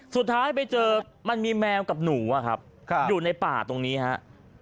สุดท้ายไปเจอมันมีแมวกับหนูอะครับอยู่ในป่าตรงนี้ครับ